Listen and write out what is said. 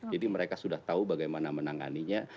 jadi mereka sudah tahu bagaimana menanganinya